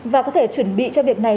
và có thể chuẩn bị cho việc này